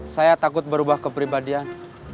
saya takut berubah kepribadian